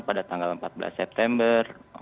pada tanggal empat belas september